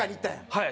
はい。